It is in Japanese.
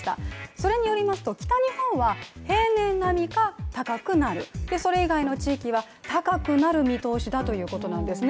それによりますと北日本は平年並みか高くなるそれ以外の地域は、高くなる見通しだということなんですね。